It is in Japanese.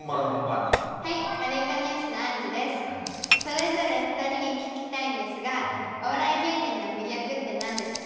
それぞれ２人に聞きたいんですがお笑い芸人の魅力って何ですか？